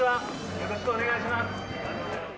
よろしくお願いします。